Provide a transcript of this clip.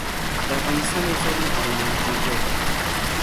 د افغانستان يو ﺯوړ نوم آريانا آويجو ده .